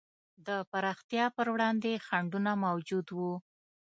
د پراختیا پر وړاندې خنډونه موجود وو.